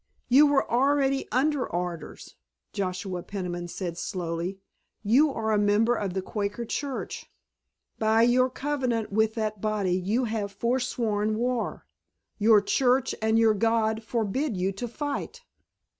"You were already under orders," Joshua Peniman said slowly. "You are a member of the Quaker Church. By your covenant with that body you have forsworn war. Your church and your God forbid you to fight.